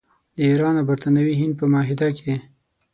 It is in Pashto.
د ایران او برټانوي هند په معاهده کې.